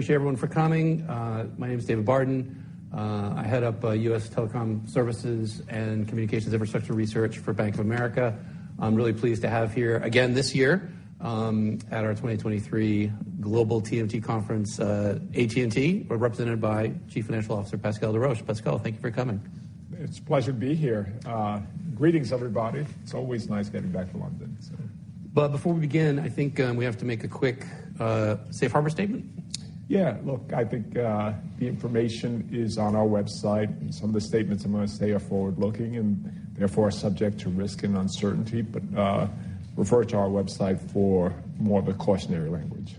Appreciate everyone for coming. My name is David Barden. I head up U.S. Telecom Services and Communications Infrastructure Research for Bank of America. I'm really pleased to have here, again this year, at our 2023 Global TMT Conference, AT&T, represented by Chief Financial Officer, Pascal Desroches. Pascal, thank you for coming. It's a pleasure to be here. Greetings, everybody. It's always nice getting back to London, so. Before we begin, I think, we have to make a quick, safe harbour statement. Yeah. Look, I think, the information is on our website, and some of the statements I'm gonna say are forward-looking and therefore are subject to risk and uncertainty. Refer to our website for more of the cautionary language.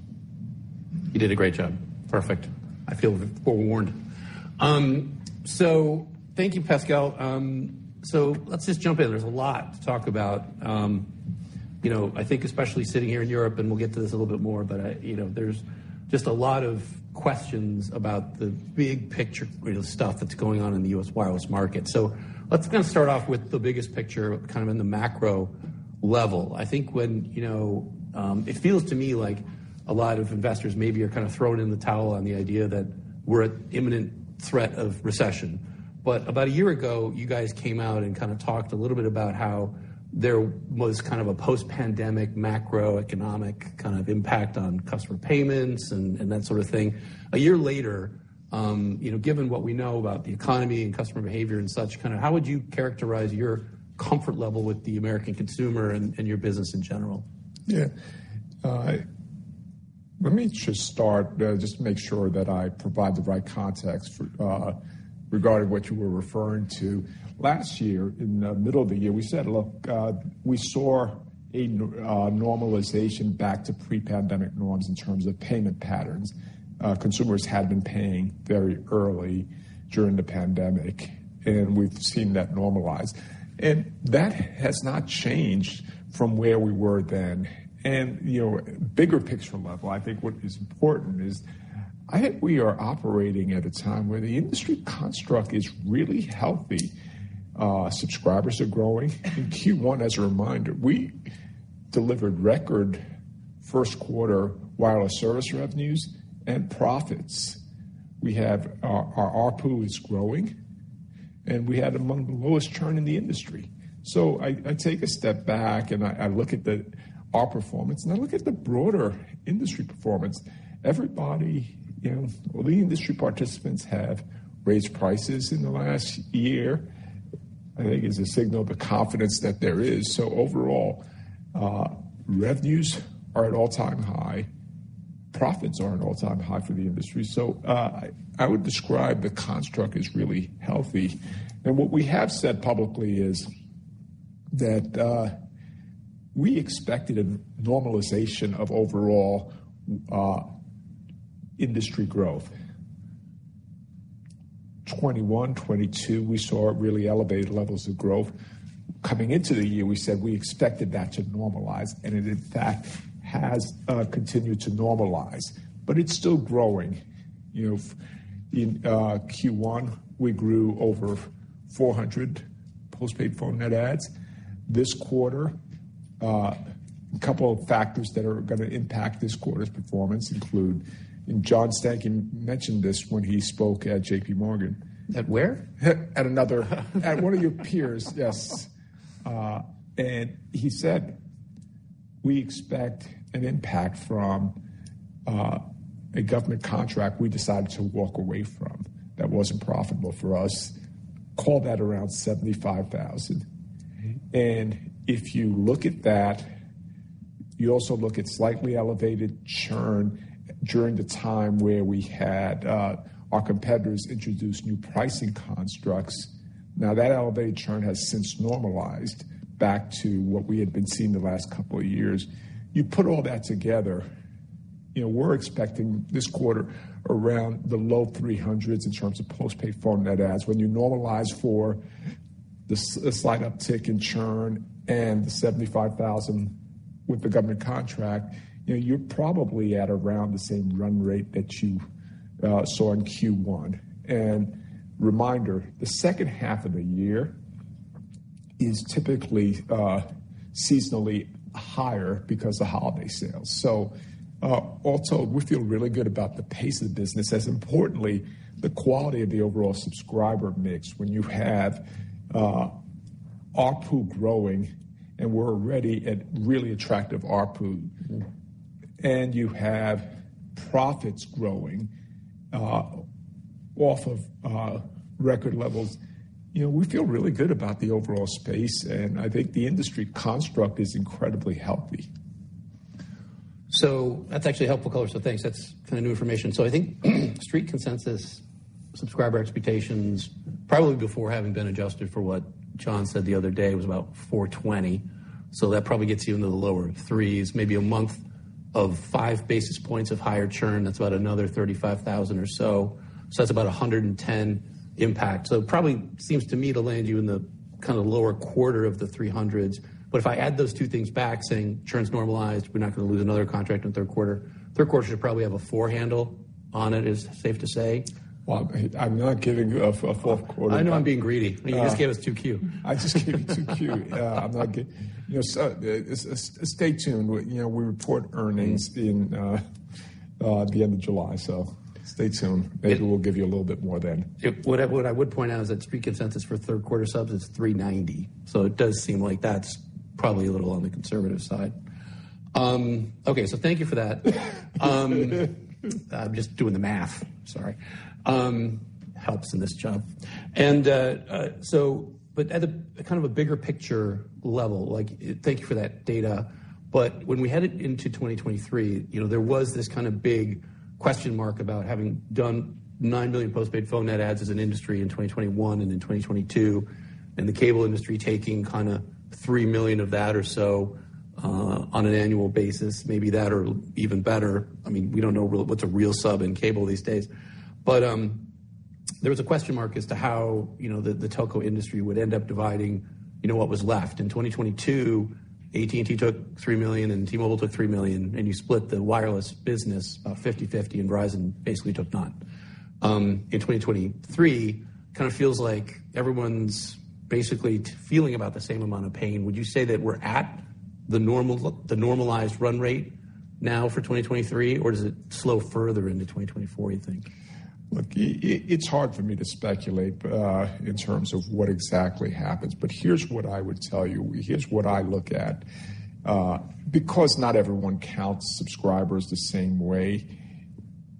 You did a great job. Perfect. I feel forewarned. Thank you, Pascal. Let's just jump in. There's a lot to talk about. You know, I think especially sitting here in Europe, and we'll get to this a little bit more, but, you know, there's just a lot of questions about the big picture stuff that's going on in the U.S. wireless market. Let's kinda start off with the biggest picture, kind of in the macro level. I think when, you know, it feels to me like a lot of investors maybe are kinda throwing in the towel on the idea that we're at imminent threat of recession. About a year ago, you guys came out and kinda talked a little bit about how there was kind of a post-pandemic, macroeconomic kind of impact on customer payments and that sort of thing. A year later, you know, given what we know about the economy and customer behavior and such, kind of, how would you characterize your comfort level with the American consumer and your business in general? Yeah. Let me just start, just to make sure that I provide the right context for, regarding what you were referring to. Last year, in the middle of the year, we said, look, we saw a normalization back to pre-pandemic norms in terms of payment patterns. Consumers had been paying very early during the pandemic, and we've seen that normalize. That has not changed from where we were then. You know, bigger picture level, I think what is important is, I think we are operating at a time where the industry construct is really healthy. Subscribers are growing. In Q1, as a reminder, we delivered record first quarter wireless service revenues and profits. We have, our ARPU is growing, and we had among the lowest churn in the industry. I take a step back and I look at our performance, and I look at the broader industry performance. Everybody, you know, all the industry participants have raised prices in the last year, I think it's a signal of the confidence that there is. Overall, revenues are at all-time high, profits are at an all-time high for the industry. I would describe the construct as really healthy. What we have said publicly is that we expected a normalization of overall industry growth. 2021, 2022, we saw really elevated levels of growth. Coming into the year, we said we expected that to normalize, and it, in fact, has continued to normalize, but it's still growing. You know, in Q1, we grew over 400 postpaid phone net adds. This quarter, a couple of factors that are gonna impact this quarter's performance include. John Stankey mentioned this when he spoke at JP Morgan. At where? At one of your peers, yes. He said, we expect an impact from, a government contract we decided to walk away from, that wasn't profitable for us. Call that around $75,000. Mm-hmm. If you look at that, you also look at slightly elevated churn during the time where we had our competitors introduce new pricing constructs. Now, that elevated churn has since normalized back to what we had been seeing the last couple of years. You put all that together, you know, we're expecting this quarter around the low 300s in terms of postpaid phone net adds. When you normalize for the slight uptick in churn and the 75,000 with the government contract, you know, you're probably at around the same run rate that you saw in Q1. Reminder, the second half of the year is typically seasonally higher because of holiday sales. Also, we feel really good about the pace of business, as importantly, the quality of the overall subscriber mix, when you have, ARPU growing, and we're already at really attractive ARPU, and you have profits growing, off of, record levels, you know, we feel really good about the overall space, and I think the industry construct is incredibly healthy. That's actually a helpful color, thanks. That's kinda new information. I think street consensus, subscriber expectations, probably before having been adjusted for what John said the other day, was about 420. That probably gets you into the lower 3s, maybe a month of 5 basis points of higher churn. That's about another 35,000 or so. That's about a 110 impact. It probably seems to me to land you in the kind of lower quarter of the 300s. If I add those two things back, saying churn's normalized, we're not gonna lose another contract in the third quarter. Third quarter should probably have a 4 handle on it, is safe to say? Well, I'm not giving a fourth quarter. I know I'm being greedy. You just gave us 2Q. I just gave you 2Q. Yeah, You know, stay tuned. You know, we report earnings in at the end of July, stay tuned. Maybe we'll give you a little bit more then. What I would point out is that street consensus for third quarter subs is 390, so it does seem like that's probably a little on the conservative side. Thank you for that. I'm just doing the math. Sorry. Helps in this job. At a kind of a bigger picture level, like, thank you for that data. When we headed into 2023, you know, there was this kind of big question mark about having done 9 million postpaid phone net adds as an industry in 2021 and in 2022, and the cable industry taking kind of 3 million of that or so, on an annual basis, maybe that or even better. I mean, we don't know what's a real sub in cable these days. There was a question mark as to how, you know, the telco industry would end up dividing, you know, what was left. In 2022, AT&T took $3 million, T-Mobile took $3 million, you split the wireless business about 50/50, Verizon basically took none. In 2023, it kind of feels like everyone's basically feeling about the same amount of pain. Would you say that we're at the normalized run rate now for 2023, or does it slow further into 2024, you think? Look, it's hard for me to speculate in terms of what exactly happens, but here's what I would tell you. Here's what I look at. Because not everyone counts subscribers the same way,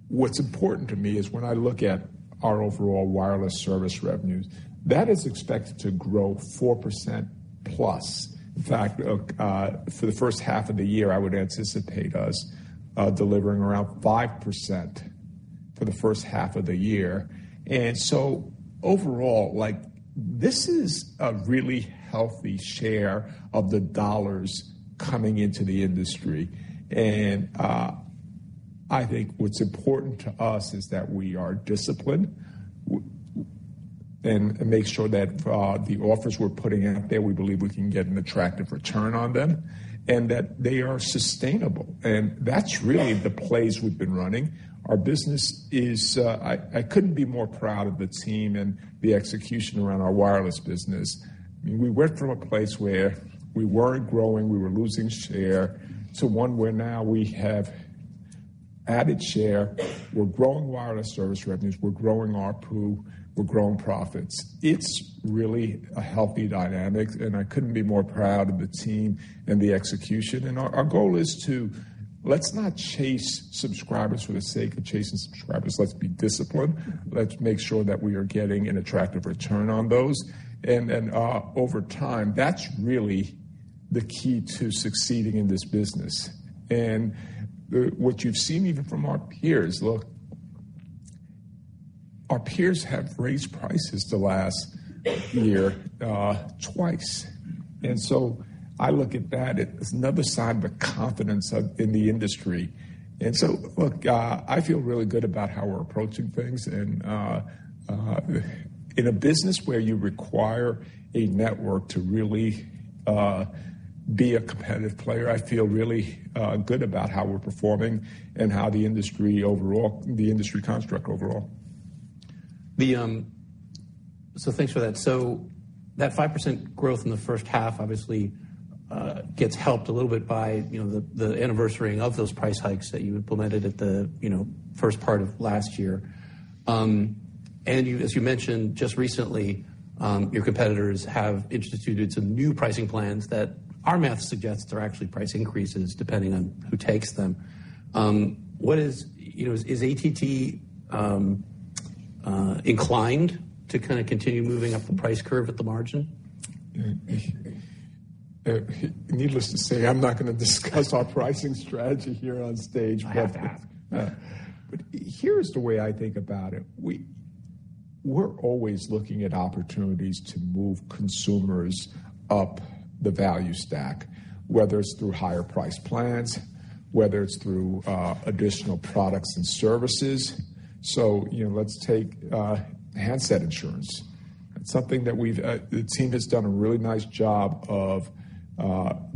what's important to me is when I look at our overall wireless service revenues, that is expected to grow 4% plus. In fact, for the first half of the year, I would anticipate us delivering around 5% for the first half of the year. Overall, like, this is a really healthy share of the dollars coming into the industry. I think what's important to us is that we are disciplined and make sure that the offers we're putting out there, we believe we can get an attractive return on them, and that they are sustainable. That's really the plays we've been running. Our business is. I couldn't be more proud of the team and the execution around our wireless business. I mean, we went from a place where we weren't growing, we were losing share, to one where now we have added share, we're growing wireless service revenues, we're growing ARPU, we're growing profits. It's really a healthy dynamic, and I couldn't be more proud of the team and the execution. Our goal is to, let's not chase subscribers for the sake of chasing subscribers. Let's be disciplined. Let's make sure that we are getting an attractive return on those. Over time, that's really the key to succeeding in this business. What you've seen even from our peers, look, our peers have raised prices the last year, twice. I look at that as another sign of the confidence in the industry. Look, I feel really good about how we're approaching things. In a business where you require a network to really be a competitive player, I feel really good about how we're performing and how the industry overall, the industry construct overall. Thanks for that. That 5% growth in the first half obviously gets helped a little bit by, you know, the anniversarying of those price hikes that you implemented at the, you know, first part of last year. As you mentioned, just recently, your competitors have instituted some new pricing plans that our math suggests are actually price increases, depending on who takes them. What is, you know, is AT&T inclined to kind of continue moving up the price curve at the margin? Needless to say, I'm not gonna discuss our pricing strategy here on stage. I have to ask. Here's the way I think about it. We're always looking at opportunities to move consumers up the value stack, whether it's through higher-priced plans, whether it's through additional products and services. You know, let's take handset insurance. It's something that we've, the team has done a really nice job of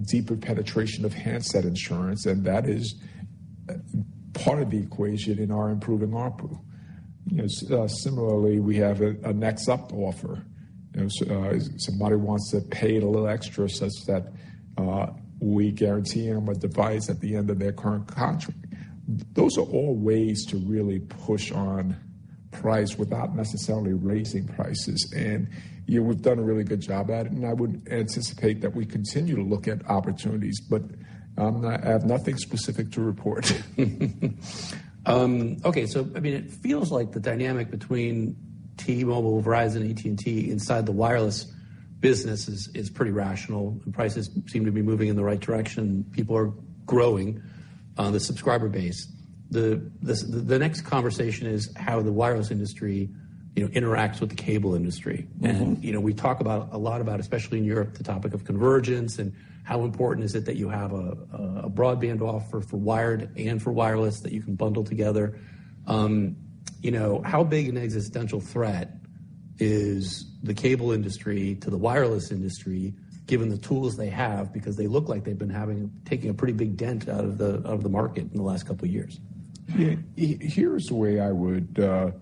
deeper penetration of handset insurance, and that is part of the equation in our improving ARPU. You know, similarly, we have a Next Up offer. Somebody wants to pay a little extra such that we guarantee them a device at the end of their current contract. Those are all ways to really push on price without necessarily raising prices, and, yeah, we've done a really good job at it, and I would anticipate that we continue to look at opportunities, but I have nothing specific to report. Okay, I mean, it feels like the dynamic between T-Mobile, Verizon, AT&T, inside the wireless business is pretty rational. Prices seem to be moving in the right direction. People are growing the subscriber base. The next conversation is how the wireless industry, you know, interacts with the cable industry. You know, we talk about, a lot about, especially in Europe, the topic of convergence and how important is it that you have a broadband offer for wired and for wireless that you can bundle together. You know, how big an existential threat is the cable industry to the wireless industry, given the tools they have? Because they look like they've been taking a pretty big dent out of the, of the market in the last couple of years. Yeah. Here's the way I would, you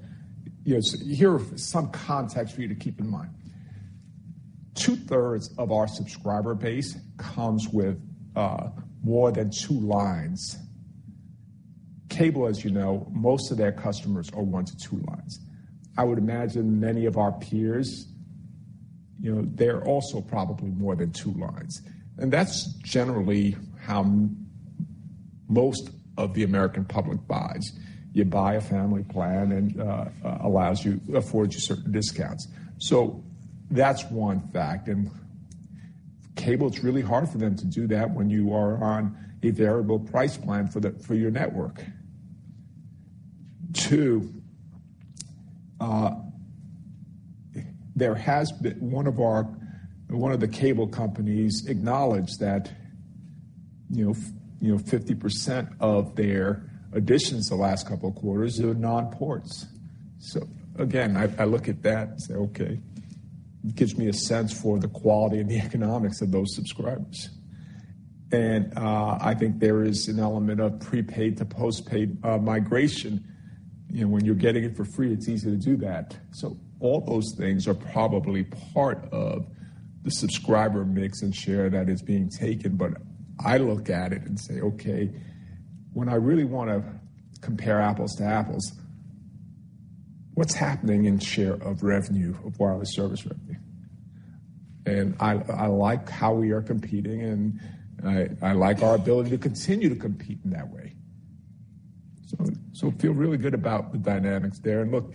know, so here are some context for you to keep in mind. Two-thirds of our subscriber base comes with more than 2 lines. Cable, as you know, most of their customers are 1 to 2 lines. I would imagine many of our peers, you know, they're also probably more than 2 lines, and that's generally how most of the American public buys. You buy a family plan, affords you certain discounts. That's 1 fact, cable, it's really hard for them to do that when you are on a variable price plan for your network. 2. There has been... One of the cable companies acknowledged that, you know, 50% of their additions the last couple of quarters are non-ports. Again, I look at that and say, "Okay, it gives me a sense for the quality and the economics of those subscribers." I think there is an element of prepaid to postpaid migration. You know, when you're getting it for free, it's easy to do that. All those things are probably part of the subscriber mix and share that is being taken, but I look at it and say, "Okay, when I really wanna compare apples to apples, what's happening in share of revenue of wireless service revenue?" I like how we are competing, and I like our ability to continue to compete in that way. I feel really good about the dynamics there. Look,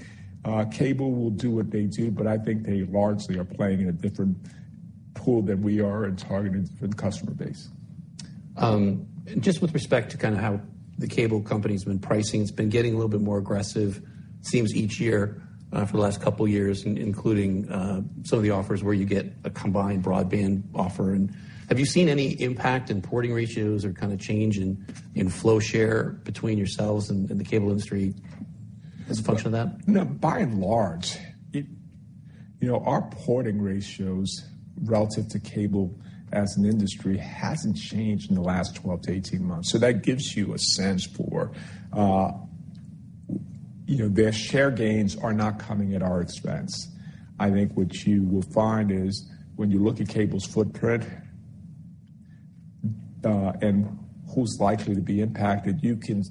cable will do what they do, but I think they largely are playing in a different pool than we are and targeting a different customer base. Just with respect to kinda how the cable company's been pricing, it's been getting a little bit more aggressive, it seems, each year, for the last couple of years, including, some of the offers where you get a combined broadband offer. Have you seen any impact in porting ratios or kinda change in flow share between yourselves and the cable industry as a function of that? No, by and large, it, you know, our porting ratios relative to cable as an industry hasn't changed in the last 12 to 18 months, so that gives you a sense for, you know, their share gains are not coming at our expense. I think what you will find is when you look at cable's footprint, and who's likely to be impacted, you can,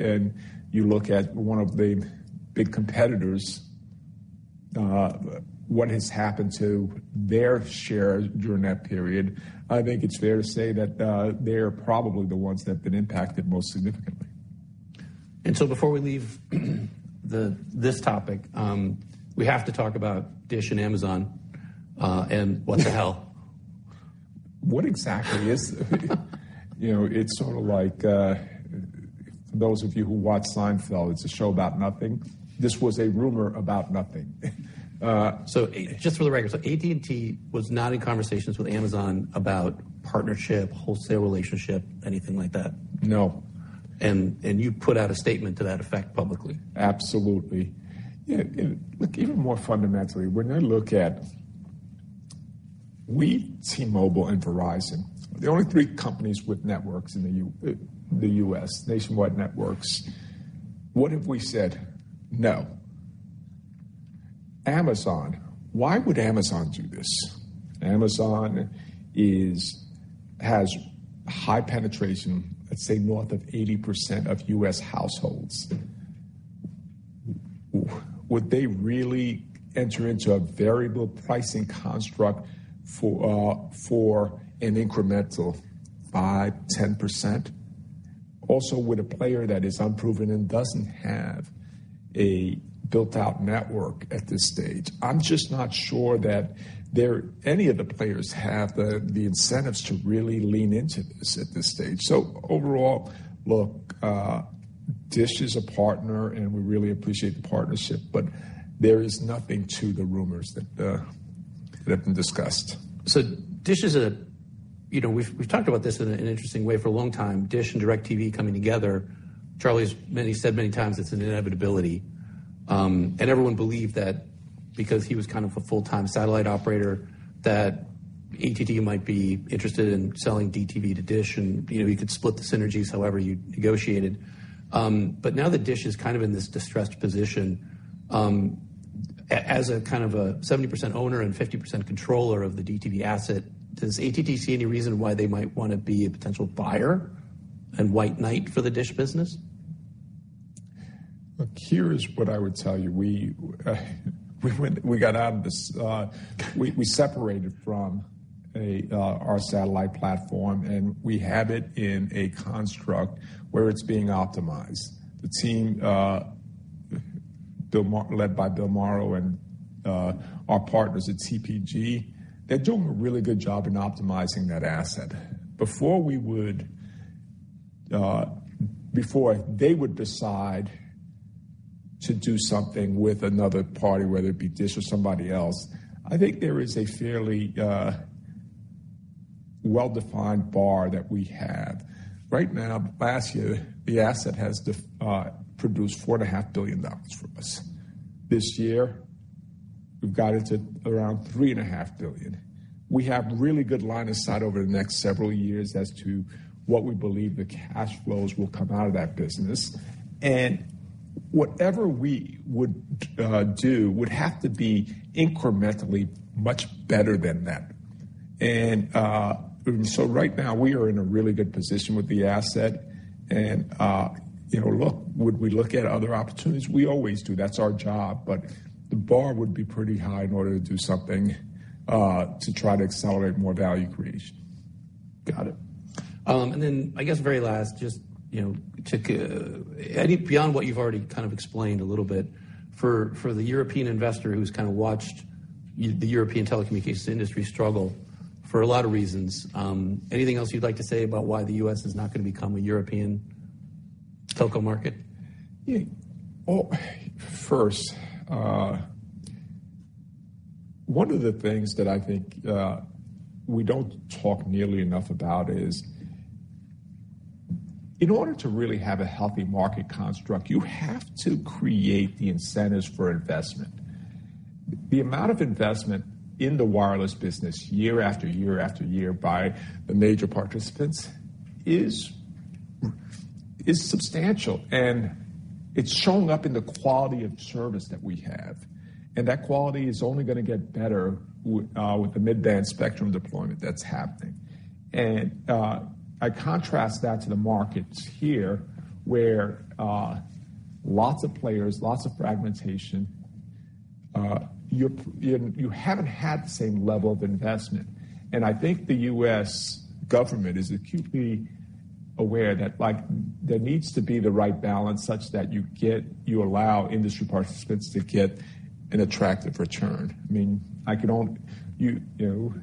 and you look at one of the big competitors, what has happened to their share during that period, I think it's fair to say that, they are probably the ones that have been impacted most significantly. Before we leave this topic, we have to talk about DISH and Amazon, and what the hell? You know, it's sort of like those of you who watch Seinfeld, it's a show about nothing. This was a rumor about nothing. just for the record, so AT&T was not in conversations with Amazon about partnership, wholesale relationship, anything like that? No. You put out a statement to that effect publicly. Absolutely. You know, look, even more fundamentally, when I look at we, T-Mobile, and Verizon, the only three companies with networks in the U.S., nationwide networks, what if we said, "No"? Amazon, why would Amazon do this? Amazon has high penetration, let's say, north of 80% of U.S. households. Would they really enter into a variable pricing construct for an incremental 5%, 10%? Also, with a player that is unproven and doesn't have a built-out network at this stage, I'm just not sure that any of the players have the incentives to really lean into this at this stage. Overall, look, DISH is a partner, and we really appreciate the partnership, but there is nothing to the rumors that have been discussed. You know, we've talked about this in an interesting way for a long time, DISH and DIRECTV coming together. Charlie's said many times it's an inevitability. Everyone believed that because he was kind of a full-time satellite operator, that AT&T might be interested in selling DTV to DISH, and, you know, you could split the synergies however you negotiate it. Now that DISH is kind of in this distressed position, as a kind of a 70% owner and 50% controller of the DTV asset, does AT&T see any reason why they might wanna be a potential buyer and white knight for the DISH business? Look, here is what I would tell you. We went, we got out of this, we separated from our satellite platform, and we have it in a construct where it's being optimized. The team led by Bill Morrow and our partners at TPG, they're doing a really good job in optimizing that asset. Before they would decide to do something with another party, whether it be DISH or somebody else, I think there is a fairly well-defined bar that we have. Right now, last year, the asset has produced $4.5 billion from us. This year, we've got it to around $3.5 billion. We have really good line of sight over the next several years as to what we believe the cash flows will come out of that business. Whatever we would do, would have to be incrementally much better than that. Right now, we are in a really good position with the asset, and, you know, look, would we look at other opportunities? We always do. That's our job, but the bar would be pretty high in order to do something to try to accelerate more value creation. Got it. I guess very last, just, you know, I think beyond what you've already kind of explained a little bit, for the European investor who's kind of watched the European telecommunications industry struggle for a lot of reasons, anything else you'd like to say about why the US is not gonna become a European telco market? Yeah. Oh, first, one of the things that I think we don't talk nearly enough about is, in order to really have a healthy market construct, you have to create the incentives for investment. The amount of investment in the wireless business year after year after year by the major participants is substantial, and it's showing up in the quality of service that we have, and that quality is only gonna get better with the mid-band spectrum deployment that's happening. I contrast that to the markets here, where lots of players, lots of fragmentation, you haven't had the same level of investment. I think the U.S. government is acutely aware that, like, there needs to be the right balance such that you allow industry participants to get an attractive return. I mean, you know,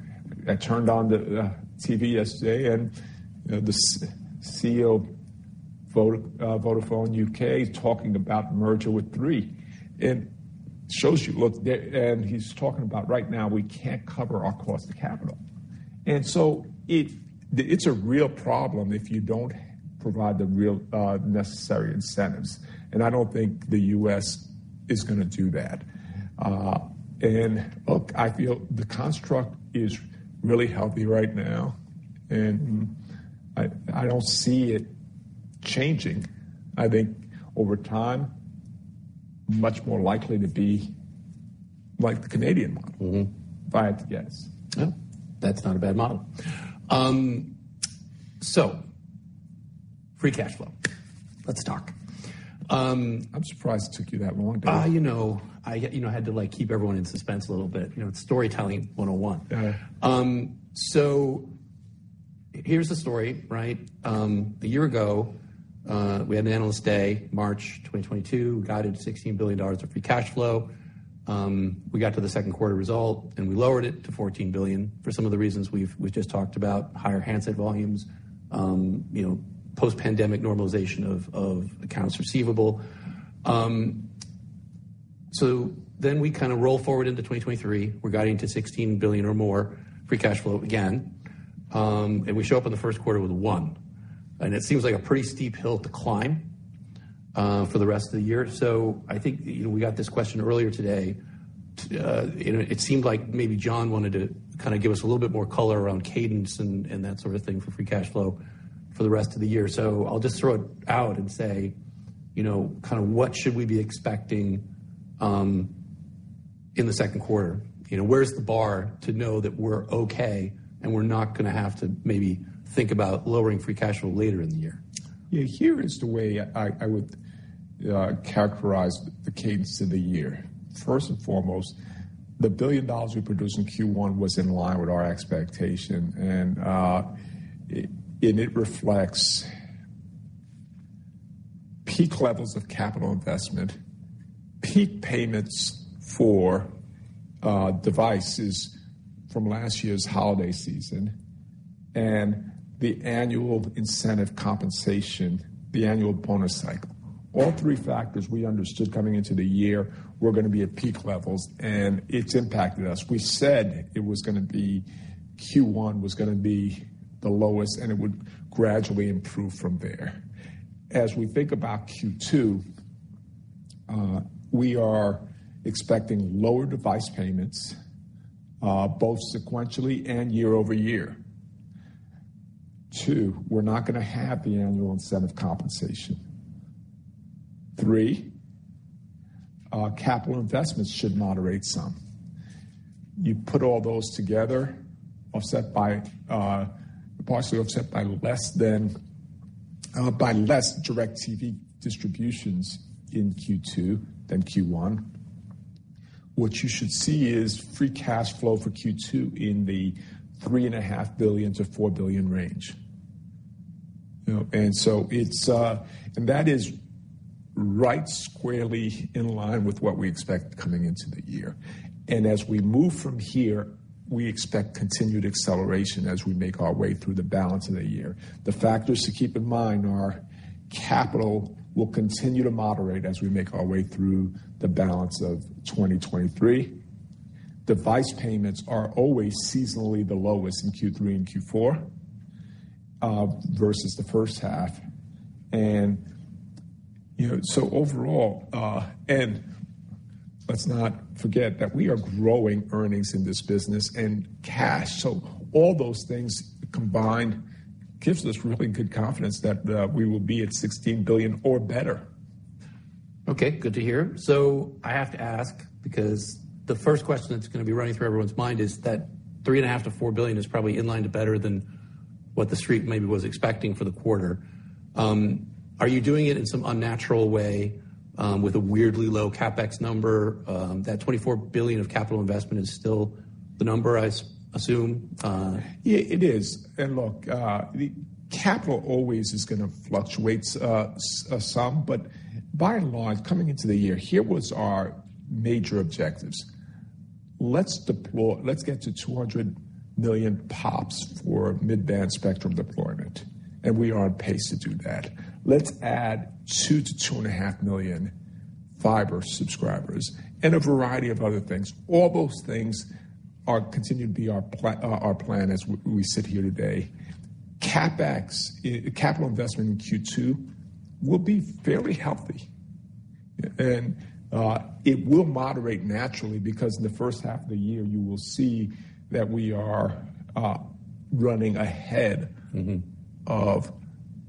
I turned on the TV yesterday, and the CEO, Vodafone UK, is talking about a merger with Three. It shows you, look. He's talking about right now, we can't cover our cost of capital. It's a real problem if you don't provide the real necessary incentives. I don't think the U.S. is gonna do that. Look, I feel the construct is really healthy right now. I don't see it changing. I think over time, much more likely to be like the Canadian model. if I had to guess. Well, that's not a bad model. Free cash flow. Let's talk. I'm surprised it took you that long, Dave. you know, I, you know, I had to, like, keep everyone in suspense a little bit. You know, it's storytelling 101. Yeah. Here's the story, right? A year ago, we had an Analyst Day, March 2022. We guided $16 billion of free cash flow. We got to the second quarter result, we lowered it to $14 billion for some of the reasons we've just talked about, higher handset volumes, you know, post-pandemic normalization of accounts receivable. We kind of roll forward into 2023. We're guiding to $16 billion or more free cash flow again, we show up in the first quarter with $1 billion. It seems like a pretty steep hill to climb for the rest of the year. I think, you know, we got this question earlier today. you know, it seemed like maybe John wanted to kind of give us a little bit more color around cadence and that sort of thing for free cash flow for the rest of the year. I'll just throw it out and say, you know, kind of what should we be expecting in the second quarter? You know, where's the bar to know that we're okay, and we're not gonna have to maybe think about lowering free cash flow later in the year? Yeah, here is the way I would characterize the cadence of the year. First and foremost, the $1 billion we produced in Q1 was in line with our expectation, and it reflects peak levels of capital investment, peak payments for devices from last year's holiday season, and the annual incentive compensation, the annual bonus cycle. All three factors we understood coming into the year were gonna be at peak levels, and it's impacted us. We said Q1 was gonna be the lowest, and it would gradually improve from there. As we think about Q2, we are expecting lower device payments, both sequentially and year-over-year. Two, we're not gonna have the annual incentive compensation. Three, capital investments should moderate some. You put all those together, offset by partially offset by less DIRECTV distributions in Q2 than Q1. What you should see is free cash flow for Q2 in the $3.5 billion-$4 billion range. You know, it's... That is right squarely in line with what we expect coming into the year. As we move from here, we expect continued acceleration as we make our way through the balance of the year. The factors to keep in mind are, capital will continue to moderate as we make our way through the balance of 2023. Device payments are always seasonally the lowest in Q3 and Q4 versus the first half. You know, overall, let's not forget that we are growing earnings in this business and cash. All those things combined gives us really good confidence that we will be at $16 billion or better. Okay, good to hear. I have to ask, because the first question that's gonna be running through everyone's mind is that three and a half to $4 billion is probably in line to better than what the street maybe was expecting for the quarter. Are you doing it in some unnatural way, with a weirdly low CapEx number? That $24 billion of capital investment is still the number, I assume? Yeah, it is. Look, the capital always is gonna fluctuate some, but by and large, coming into the year, here was our major objectives. Let's get to 200 million POPs for mid-band spectrum deployment, and we are on pace to do that. Let's add 2 million-2.5 million fiber subscribers and a variety of other things. All those things are continuing to be our plan as we sit here today. CapEx, capital investment in Q2 will be very healthy. It will moderate naturally, because in the first half of the year, you will see that we are running ahead... of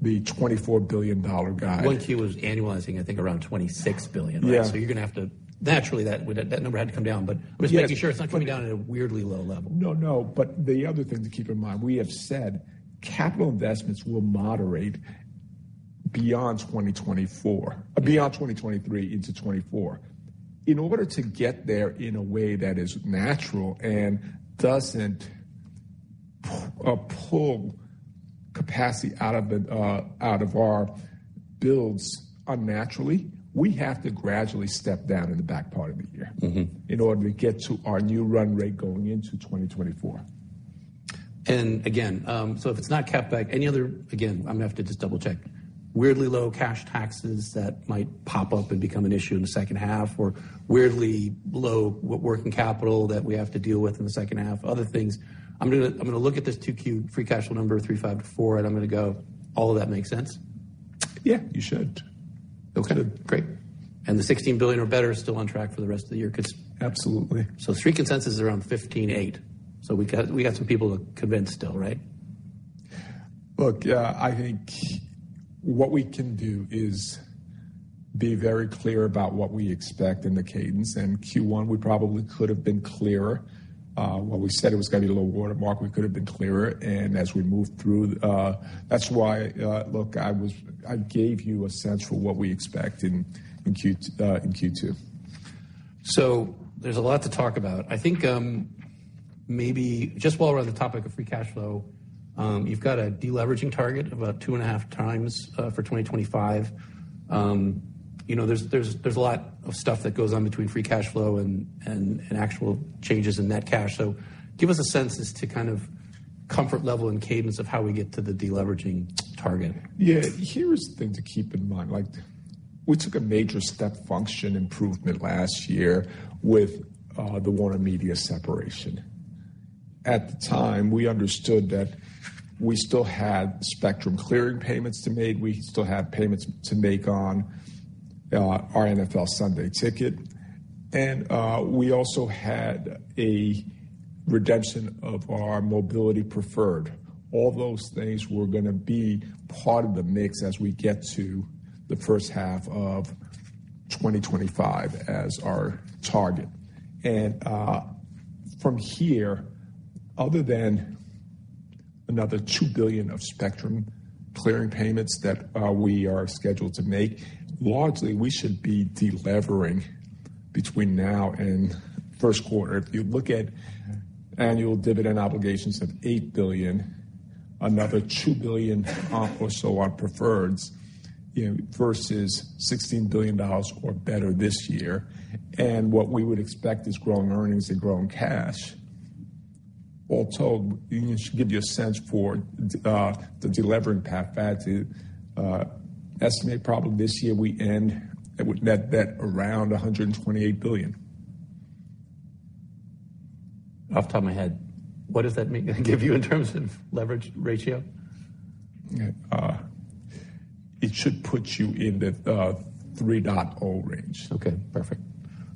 the $24 billion guide. One Q was annualizing, I think, around $26 billion. Yeah. You're gonna have to... Naturally, that number had to come down. Yes. Just making sure it's not coming down at a weirdly low level. No, no. The other thing to keep in mind, we have said capital investments will moderate beyond 2024, beyond 2023 into 2024. In order to get there in a way that is natural and doesn't pull capacity out of the out of our builds unnaturally, we have to gradually step down in the back part of the year. In order to get to our new run rate going into 2024. Again, if it's not CapEx, any other... Again, I'm gonna have to just double-check. Weirdly low cash taxes that might pop up and become an issue in the second half, or weirdly low working capital that we have to deal with in the second half, other things. I'm gonna look at this 2Q free cash flow number, $35-$4, and I'm gonna go, all of that makes sense? Yeah, you should. Okay, great. The $16 billion or better is still on track for the rest of the year? Absolutely. Three consensus is around fifteen eight. We got some people to convince still, right? Look, I think what we can do is be very clear about what we expect in the cadence. In Q1, we probably could have been clearer. What we said, it was gonna be a little watermark. We could have been clearer, and as we move through, that's why, look, I gave you a sense for what we expect in Q2. There's a lot to talk about. I think, maybe just while we're on the topic of free cash flow, you've got a deleveraging target of about 2.5 times, for 2025. You know, there's a lot of stuff that goes on between free cash flow and actual changes in net cash. Give us a sense as to kind of comfort level and cadence of how we get to the deleveraging target. Yeah. Here's the thing to keep in mind, like, we took a major step function improvement last year with the WarnerMedia separation. At the time, we understood that we still had spectrum clearing payments to make, we still had payments to make on our NFL Sunday Ticket, and we also had a redemption of our Mobility Preferred. All those things were gonna be part of the mix as we get to the first half of 2025 as our target. From here, other than another $2 billion of spectrum clearing payments that we are scheduled to make, largely, we should be delevering between now and first quarter. If you look at annual dividend obligations of $8 billion, another $2 billion or so are preferred, you know, versus $16 billion or better this year. What we would expect is growing earnings and growing cash. All told, it should give you a sense for the delivering path back to estimate probably this year, it would net that around $128 billion. Off the top of my head, what does that mean, give you in terms of leverage ratio? it should put you in the 3.0 range. Perfect.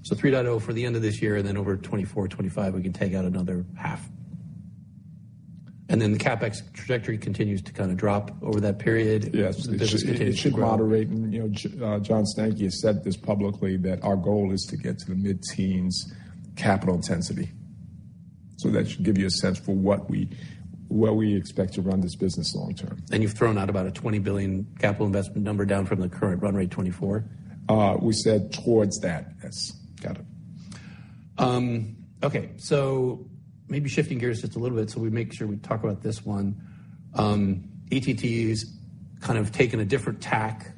3.0 for the end of this year, over 2024, 2025, we can take out another half. The CapEx trajectory continues to kinda drop over that period? Yes. Business continues to grow. It should moderate. You know, John Stankey has said this publicly, that our goal is to get to the mid-teens capital intensity. That should give you a sense for what we, where we expect to run this business long term. You've thrown out about a $20 billion capital investment number, down from the current run rate, $24 billion? We said towards that, yes. Got it. Okay, so maybe shifting gears just a little bit so we make sure we talk about this one. AT&T's kind of taken a different tack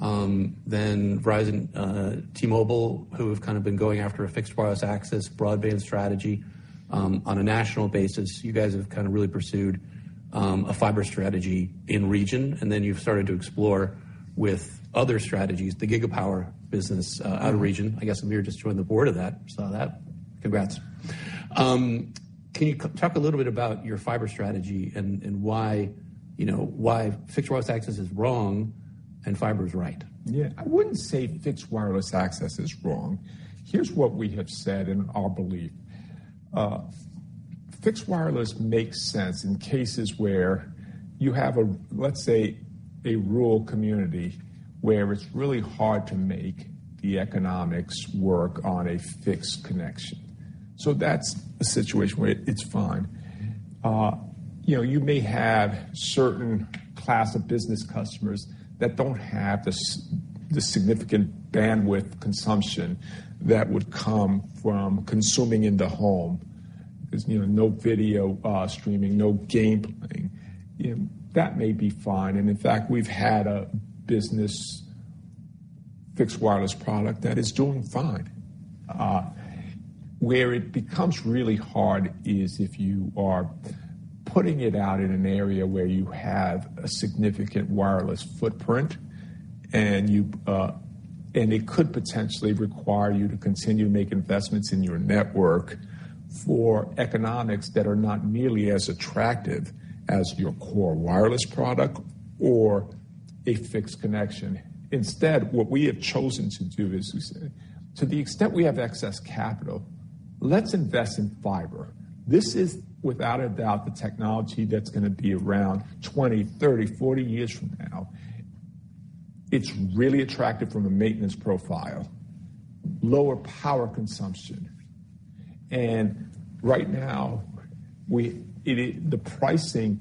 than Verizon, T-Mobile, who have kind of been going after a fixed wireless access broadband strategy. On a national basis, you guys have kind of really pursued a fiber strategy in region, and then you've started to explore with other strategies, the Gigapower business out of region. I guess Amir just joined the board of that. Saw that. Congrats. Can you talk a little bit about your fiber strategy and why, you know, why fixed wireless access is wrong and fiber is right? I wouldn't say fixed wireless access is wrong. Here's what we have said in our belief. Fixed wireless makes sense in cases where you have a, let's say, a rural community where it's really hard to make the economics work on a fixed connection. That's a situation where it's fine. You know, you may have certain class of business customers that don't have the significant bandwidth consumption that would come from consuming in the home. There's, you know, no video streaming, no game playing. You know, that may be fine, and in fact, we've had a business fixed wireless product that is doing fine. Where it becomes really hard is if you are putting it out in an area where you have a significant wireless footprint, and you, and it could potentially require you to continue to make investments in your network for economics that are not nearly as attractive as your core wireless product or a fixed connection. Instead, what we have chosen to do is, to the extent we have excess capital, let's invest in fiber. This is, without a doubt, the technology that's gonna be around 20, 30, 40 years from now. It's really attractive from a maintenance profile, lower power consumption. Right now, the pricing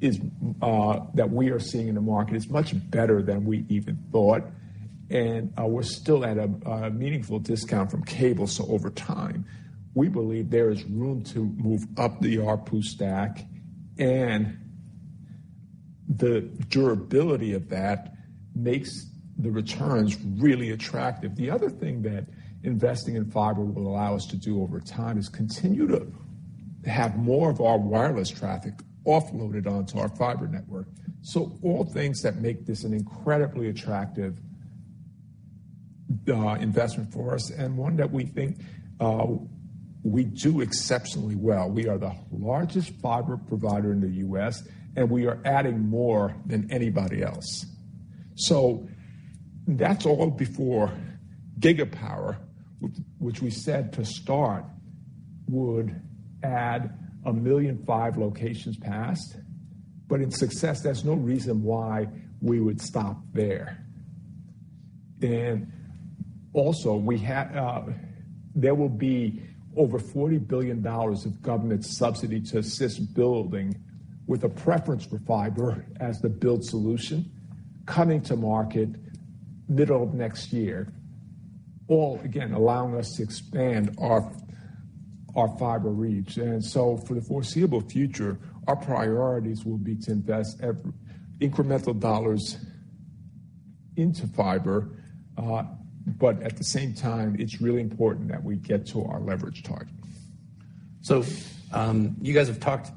is that we are seeing in the market is much better than we even thought. We're still at a meaningful discount from cable. Over time, we believe there is room to move up the ARPU stack, and the durability of that makes the returns really attractive. The other thing that investing in fiber will allow us to do over time is continue to have more of our wireless traffic offloaded onto our fiber network. All things that make this an incredibly attractive investment for us and one that we think we do exceptionally well. We are the largest fiber provider in the U.S., and we are adding more than anybody else. That's all before Gigapower, which we said to start, would add 1.5 million locations passed, but in success, there's no reason why we would stop there. Also, we have, there will be over $40 billion of government subsidy to assist building, with a preference for fiber as the build solution, coming to market middle of next year. All, again, allowing us to expand our fiber reach. For the foreseeable future, our priorities will be to invest every incremental dollars into fiber, at the same time, it's really important that we get to our leverage target. You guys have talked,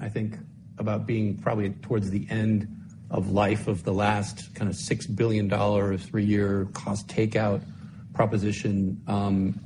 I think, about being probably towards the end of life of the last kind of $6 billion a year cost takeout proposition.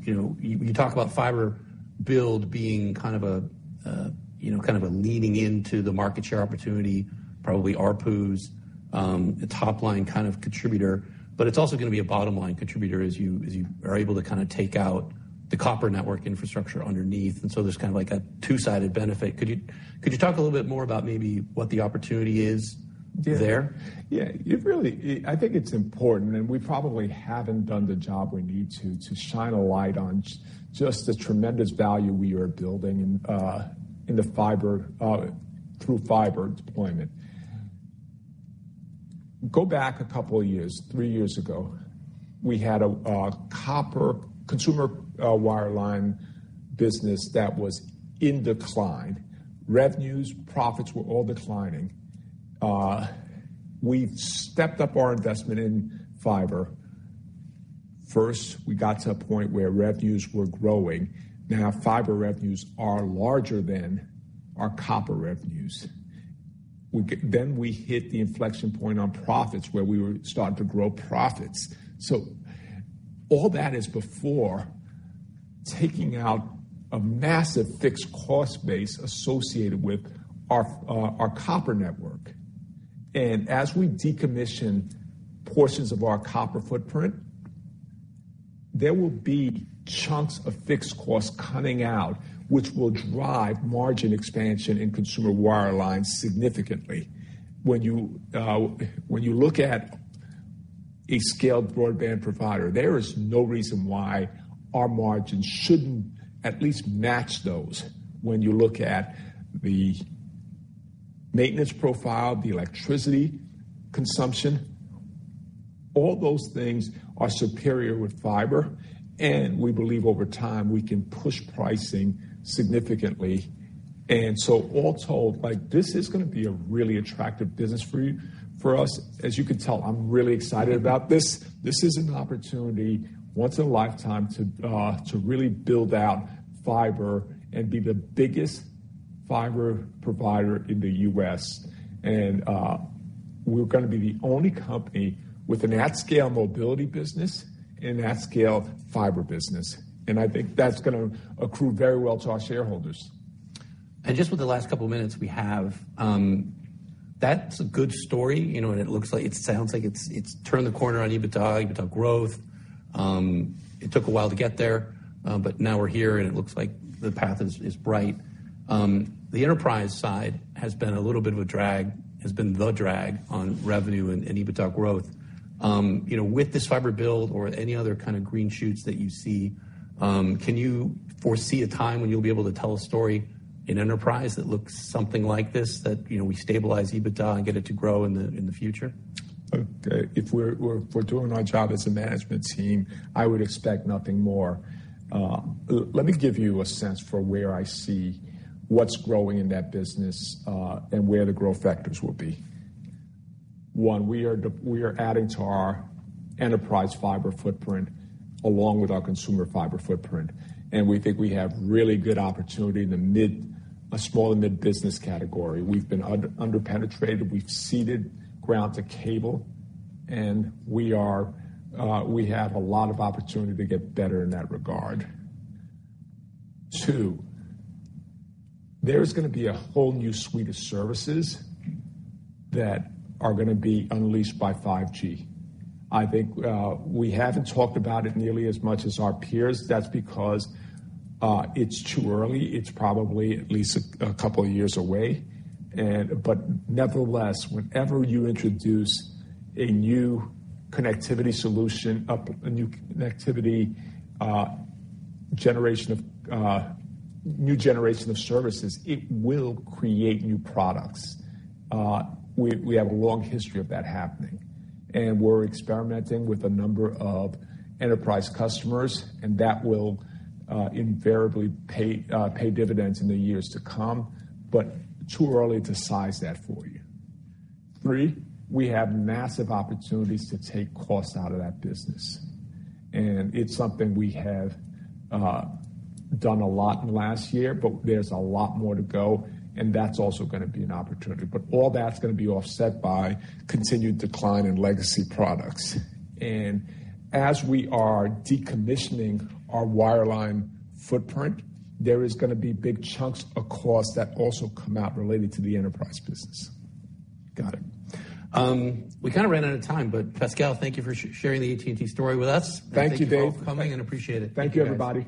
You know, you talk about fiber build being kind of a, you know, kind of a leaning into the market share opportunity, probably ARPUs, a top-line kind of contributor, but it's also gonna be a bottom-line contributor as you are able to kinda take out the copper network infrastructure underneath, and so there's kind of like a two-sided benefit. Could you talk a little bit more about maybe what the opportunity is there? Yeah. It really, I think it's important, and we probably haven't done the job we need to shine a light on just the tremendous value we are building in the fiber through fiber deployment. Go back a couple of years, three years ago, we had a copper consumer wireline business that was in decline. Revenues, profits were all declining. We stepped up our investment in fiber. First, we got to a point where revenues were growing. Now, fiber revenues are larger than our copper revenues. We then hit the inflection point on profits, where we were starting to grow profits. All that is before taking out a massive fixed cost base associated with our copper network. As we decommission portions of our copper footprint, there will be chunks of fixed costs coming out, which will drive margin expansion in consumer wire lines significantly. When you look at a scaled broadband provider, there is no reason why our margins shouldn't at least match those when you look at the maintenance profile, the electricity consumption, all those things are superior with fiber, and we believe over time, we can push pricing significantly. All told, like, this is gonna be a really attractive business for us. As you can tell, I'm really excited about this. This is an opportunity, once in a lifetime, to really build out fiber and be the biggest-. fiber provider in the U.S., we're gonna be the only company with an at-scale mobility business and at-scale fiber business, and I think that's gonna accrue very well to our shareholders. Just with the last couple of minutes we have, that's a good story, you know, and it looks like, it sounds like it's turned the corner on EBITDA growth. It took a while to get there, but now we're here, and it looks like the path is bright. The enterprise side has been a little bit of a drag, has been the drag on revenue and EBITDA growth. You know, with this fiber build or any other kind of green shoots that you see, can you foresee a time when you'll be able to tell a story in enterprise that looks something like this, that, you know, we stabilize EBITDA and get it to grow in the future? If we're doing our job as a management team, I would expect nothing more. Let me give you a sense for where I see what's growing in that business, and where the growth vectors will be. One, we are adding to our enterprise fiber footprint, along with our consumer fiber footprint, and we think we have really good opportunity in the mid, a small and mid-business category. We've been under-penetrated, we've ceded ground to cable, and we have a lot of opportunity to get better in that regard. Two, there's gonna be a whole new suite of services that are gonna be unleashed by 5G. I think, we haven't talked about it nearly as much as our peers. That's because, it's too early. It's probably at least a couple of years away. Nevertheless, whenever you introduce a new connectivity solution, a new connectivity, new generation of services, it will create new products. We have a long history of that happening, and we're experimenting with a number of enterprise customers, and that will invariably pay dividends in the years to come, but too early to size that for you. Three, we have massive opportunities to take costs out of that business, and it's something we have done a lot in the last year, but there's a lot more to go, and that's also gonna be an opportunity. All that's gonna be offset by continued decline in legacy products. As we are decommissioning our wireline footprint, there is gonna be big chunks of costs that also come out related to the enterprise business. Got it. We kinda ran out of time, but Pascal, thank you for sharing the AT&T story with us. Thank you, Dave. Thank you for coming, and appreciate it. Thank you, everybody.